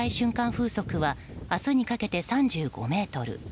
風速は明日にかけて３５メートル。